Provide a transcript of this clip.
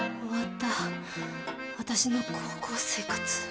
終わった私の高校生活。